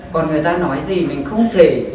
còn người ta nói gì mình không thể